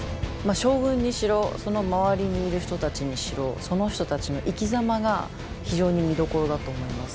将軍にしろその周りにいる人たちにしろその人たちの生きざまが非常に見どころだと思います。